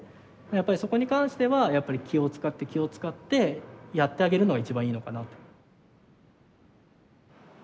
やっぱりそこに関してはやっぱり気を遣って気を遣ってやってあげるのが一番いいのかなって。